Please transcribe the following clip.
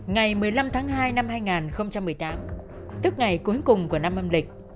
ngày một mươi năm tháng hai năm hai nghìn một mươi tám tức ngày cuối cùng của năm âm lịch